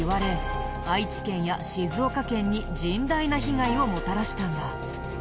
愛知県や静岡県に甚大な被害をもたらしたんだ。